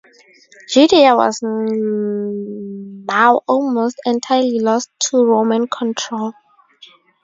Judea was now almost entirely lost to Roman control.